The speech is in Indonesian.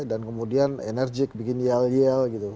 dan kemudian enerjik bikin yel yel gitu